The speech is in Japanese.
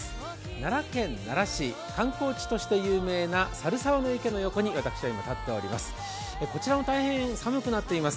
奈良県奈良市、観光地として有名な猿沢の池の横に私は今立っています。